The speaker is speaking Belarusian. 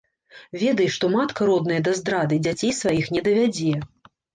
Ведай, што матка родная да здрады дзяцей сваіх не давядзе.